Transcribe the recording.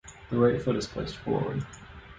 The right foot is placed forward.